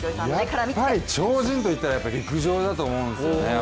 やっぱり超人といったら陸上だと思うんですよね。